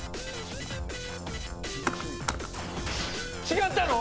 違ったの⁉